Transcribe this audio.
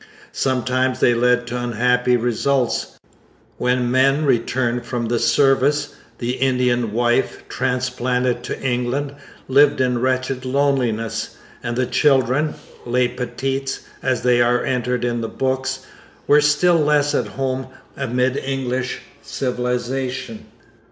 Sometimes they led to unhappy results. When men returned from the service, the Indian wife, transplanted to England, lived in wretched loneliness; and the children 'les petits,' as they are entered in the books were still less at home amid English civilization.